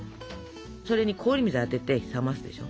それに氷水にあてて冷ますでしょ。